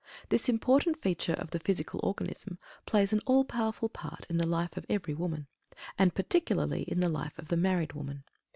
This important feature of the physical organism plays an all powerful part in the life of every woman, and particularly in the life of the married woman.